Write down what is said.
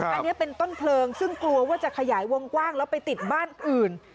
อันนี้เป็นต้นเพลิงซึ่งกลัวว่าจะขยายวงกว้างแล้วไปติดบ้านอื่น